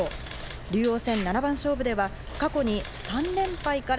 竜王戦七番勝負では過去に３連敗から